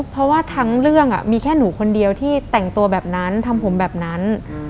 เพราะว่าทั้งเรื่องมีแค่หนูคนเดียวที่แต่งตัวแบบนั้นทำผมแบบนั้น